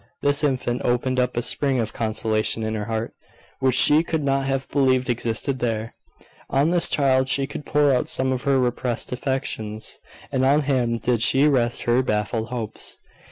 This infant opened up a spring of consolation in her heart, which she could not have believed existed there. On this child she could pour out some of her repressed affections, and on him did she rest her baffled hopes.